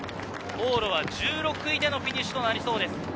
往路１６位でフィニッシュとなりそうです。